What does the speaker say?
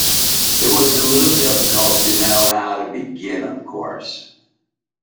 It was a little difficult to know how to begin, of course.